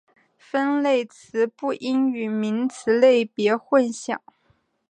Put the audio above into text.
分类词不应与名词类别混淆。